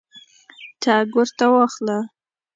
ټګ ورته واخله.